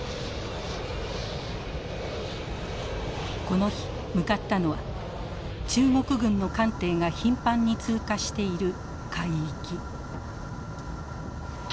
この日向かったのは中国軍の艦艇が頻繁に通過している海域。